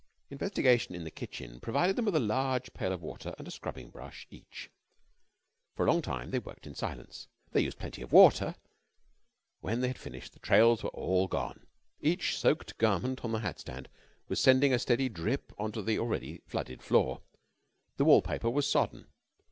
Investigation in the kitchen provided them with a large pail of water and a scrubbing brush each. For a long time they worked in silence. They used plenty of water. When they had finished the trails were all gone. Each soaked garment on the hat stand was sending a steady drip on to the already flooded floor. The wall paper was sodden.